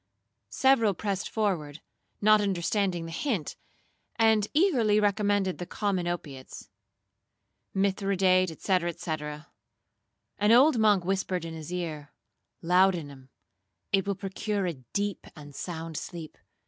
Several pressed forward, not understanding the hint, and eagerly recommended the common opiates—Mithridate, &c. &c. An old monk whispered in his ear, 'Laudanum,—it will procure a deep and sound sleep.